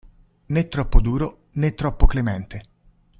Né troppo duro, né troppo clemente.